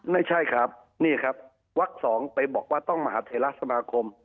ไม่ใช่ครับนี่ครับวัก๒ไปบอกว่าต้องมหาเทราสมาคม